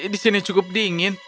di sini cukup dingin